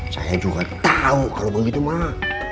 saya juga tahu kalau begitu mah